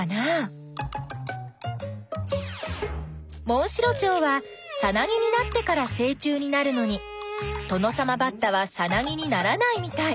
モンシロチョウはさなぎになってからせい虫になるのにトノサマバッタはさなぎにならないみたい。